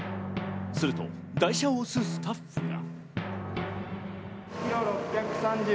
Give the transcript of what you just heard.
すると台車を押すスタッフが。